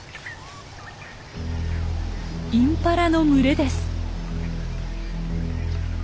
インパラの群れです。